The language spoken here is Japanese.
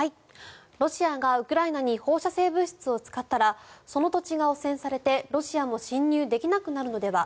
ロシアがウクライナに放射性物質を使ったらその土地が汚染されてロシアも侵入できなくなるのでは？